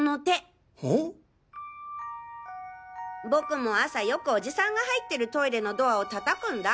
僕も朝よくおじさんが入ってるトイレのドアを叩くんだ。